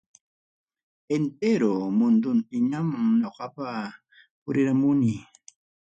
Entero munduntintañam ñoqaqa puriramuni.